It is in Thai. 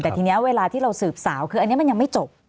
แต่ทีนี้เวลาที่เราสืบสาวคืออันนี้มันยังไม่จบ